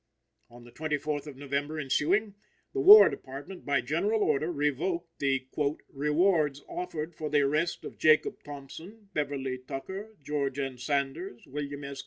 On the 24th of November ensuing, the War Department, by general order, revoked the "rewards offered for the arrest of Jacob Thompson, Beverly Tucker, George N. Sanders, William S.